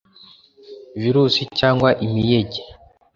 virusi cg imiyege)